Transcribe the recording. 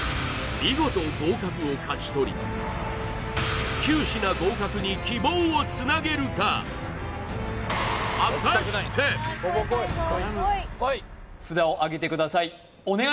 見事合格を勝ち取り９品合格に希望をつなげるか札をあげてください